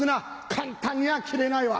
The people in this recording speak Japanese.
簡単には切れないわ。